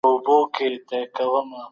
د بهرنیو تګلاري موخي تل نه عملي کېږي.